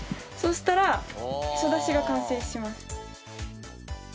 そしたらヘソだしが完成します。